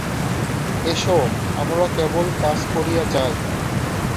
S, আমরা কেবল কাজ করিয়া যাই।